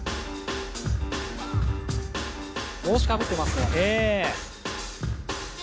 帽子かぶってますね。